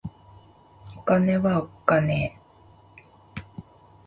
お金はおっかねぇ